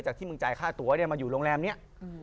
จากที่มึงจ่ายค่าตัวเนี่ยมาอยู่โรงแรมเนี่ย